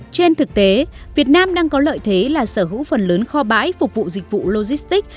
trên thực tế việt nam đang có lợi thế là sở hữu phần lớn kho bãi phục vụ dịch vụ logistics